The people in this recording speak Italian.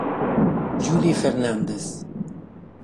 Juli Fernández